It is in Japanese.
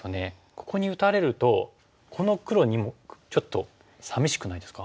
ここに打たれるとこの黒２目ちょっとさみしくないですか？